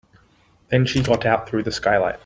Then she got out through the skylight.